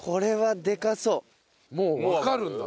もうわかるんだ。